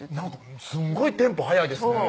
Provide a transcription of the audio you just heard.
すごいテンポ速いですね